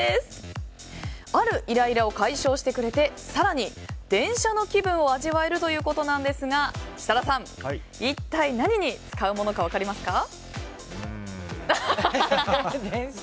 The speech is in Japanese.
あるイライラを解消してくれて更に電車の気分を味わえるということなんですが設楽さん、一体何に使うものか分かりますか？